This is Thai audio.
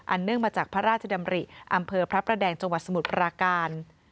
เนื่องมาจากพระราชดำริอำเภอพระประแดงจังหวัดสมุทรปราการ